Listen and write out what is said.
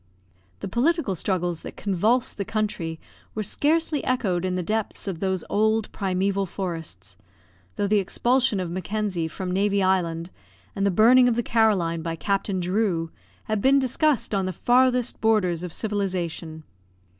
The political struggles that convulsed the country were scarcely echoed in the depths of those old primeval forests, though the expulsion of Mackenzie from Navy Island, and the burning of the Caroline by Captain Drew, had been discussed on the farthest borders of civilisation.